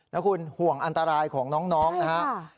นะคุณห่วงอันตรายของน้องนะครับ